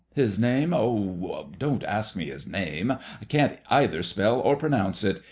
His name? Oh, don't ask me his name. I can't either spell or pronounce it.